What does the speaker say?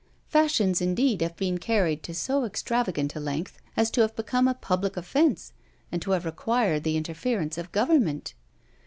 Fashions indeed have been carried to so extravagant a length, as to have become a public offence, and to have required the interference of government.